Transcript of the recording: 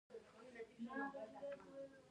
ځمکه د افغانستان په اوږده تاریخ کې ذکر شوی دی.